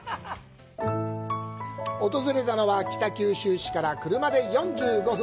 訪れたのは、北九州市から車で４５分。